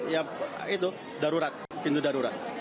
ya itu darurat pintu darurat